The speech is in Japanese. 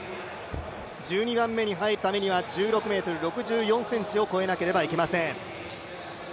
１２番目に入るためには１６ｍ６４ｃｍを越えなければいけません。